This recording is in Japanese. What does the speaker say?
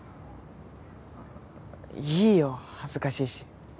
いいよ恥ずかしいし。